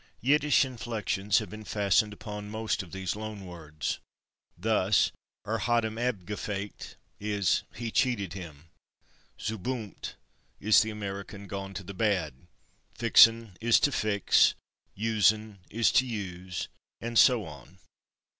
Yiddish inflections have been fastened upon most of these loan words. Thus, "er hat ihm /abgefaked/" is "he cheated him," /zubumt/ is the American /gone to the bad/, /fix'n/ is to /fix/, /usen/ is /to use/, and so on.